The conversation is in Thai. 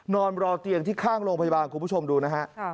นอนรอเตียงที่ข้างโรงพยาบาลคุณผู้ชมดูนะฮะ